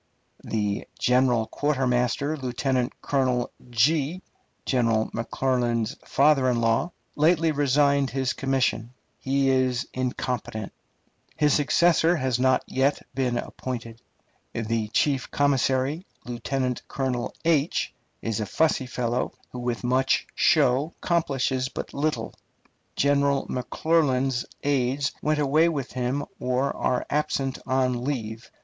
The chief quartermaster, Lieutenant Colonel , General McClernand's father in law, lately resigned his commission. He was incompetent.... His successor has not yet been appointed. The chief commissary, Lieutenant Colonel , is a fussy fellow, who with much show accomplishes but little. General McClernand's aides went away with him or are absent on leave.